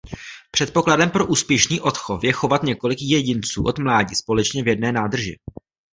Předpokladem pro úspěšný odchov je chovat několik jedinců od mládí společně v jedné nádrži.